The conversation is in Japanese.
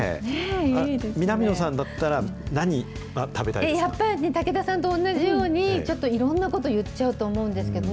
南野さんだったら、何が食べやっぱりね、武田さんと同じように、ちょっといろんなこと言っちゃうと思うんですけどね。